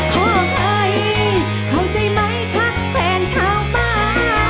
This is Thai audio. เพราะไงเข้าใจมั้ยคะแฟนเฉาบ้า